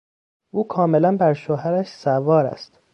او کاملا بر شوهرش سوار است.